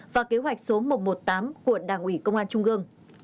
và kế hoạch số một trăm một mươi tám của đảng ủy công an trung ương